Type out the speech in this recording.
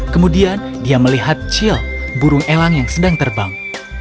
kemudian dia melihat cil burung elang yang sedang terbang